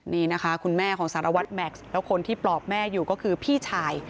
นี่นะคะคุณแม่ของสารวัตรแม็กซ์แล้วคนที่ปลอบแม่อยู่ก็คือพี่ชาย